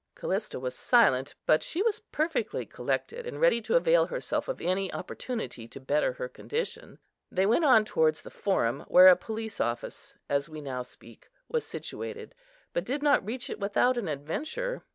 Callista was silent, but she was perfectly collected, and ready to avail herself of any opportunity to better her condition. They went on towards the Forum, where a police office, as we now speak, was situated, but did not reach it without an adventure.